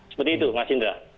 seperti itu mas indra